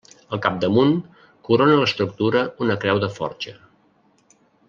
Al capdamunt, corona l’estructura una creu de forja.